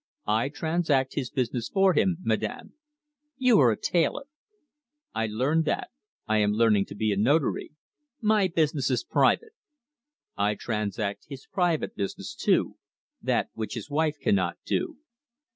"I transact his business for him, Madame." "You are a tailor." "I learned that; I am learning to be a notary." "My business is private." "I transact his private business too that which his wife cannot do.